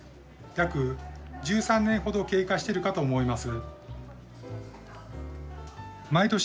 約１３年ほど経過してるかと思います。